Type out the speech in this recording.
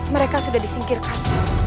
mereka sudah disingkirkan